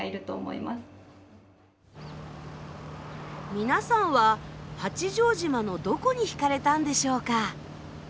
皆さんは八丈島のどこに引かれたんでしょうか。